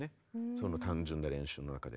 その単純な練習の中で。